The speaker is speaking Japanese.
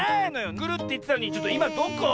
「くる」っていってたのにちょっといまどこ？